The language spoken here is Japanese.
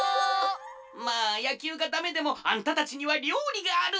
まあやきゅうがダメでもあんたたちにはりょうりがある！